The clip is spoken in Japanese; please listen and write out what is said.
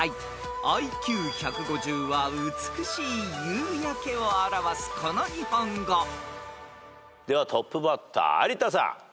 ［ＩＱ１５０は美しい夕焼けを表すこの日本語］ではトップバッター有田さん。